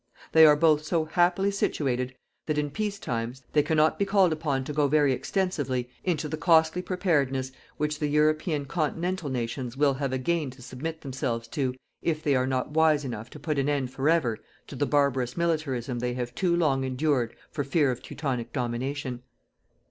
They are both so happily situated that, in peace times, they cannot be called upon to go very extensively into the costly preparedness which the European continental nations will have again to submit themselves to, if they are not wise enough to put an end forever to the barbarous militarism they have too long endured for fear of Teutonic domination.